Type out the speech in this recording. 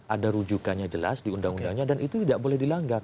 ada rujukannya jelas di undang undangnya dan itu tidak boleh dilanggar